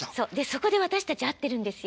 そこで私たち会ってるんですよ。